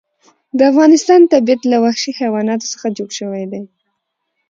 د افغانستان طبیعت له وحشي حیواناتو څخه جوړ شوی دی.